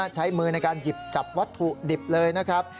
ใช้มือในการหยิบจับวัตถุดิบเลยนะครับ